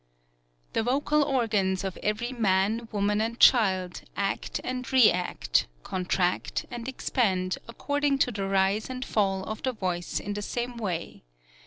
The vocal organs of every man, woman and child act and react, contract and expand, according to the rise and fall of the voice in the same way.